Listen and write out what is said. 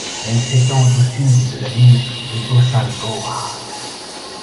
Elle s’étend au sud de la ville de Bossangoa.